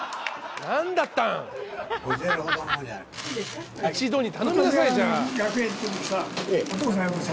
何だったん？